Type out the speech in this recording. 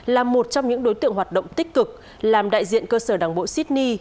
là một trong những đối tượng hoạt động tích cực làm đại diện cơ sở đảng bộ sydney